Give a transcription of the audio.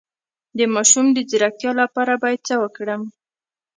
د ماشوم د ځیرکتیا لپاره باید څه وکړم؟